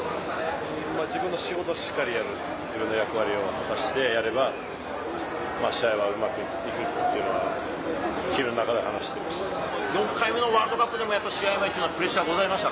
自分の仕事をしっかりやる、自分の役割を果たしてやれば、試合はうまくいくっていうのは、４回目のワールドカップでもやっぱ試合前っていうのは、プレッシャーございました？